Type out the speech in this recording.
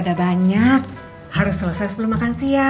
jadi dua kali resep biasa